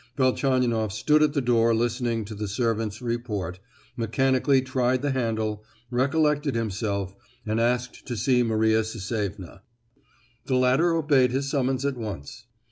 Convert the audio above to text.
Velchaninoff stood at the door listening to the servants' report, mechanically tried the handle, recollected himself, and asked to see Maria Sisevna. The latter obeyed his summons at once.